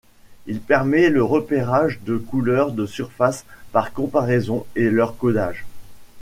Il permet le repérage de couleurs de surfaces par comparaison, et leur codage.